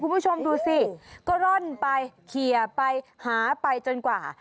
คุณผู้ชมดูสิก็ร่อนไปเคลียร์ไปหาไปจนกว่า